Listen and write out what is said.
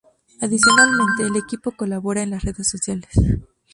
Adicionalmente, el equipo colabora en las redes sociales.